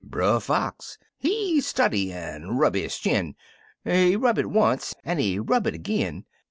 " Brer Fox, he study an' rub his chin, He rub it once, an' he rub it ag'in.